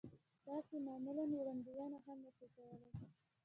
تاسې يې معمولاً وړاندوينه هم نه شئ کولای.